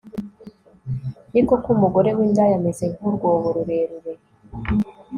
ni koko, umugore w'indaya ameze nk'urwobo rurerure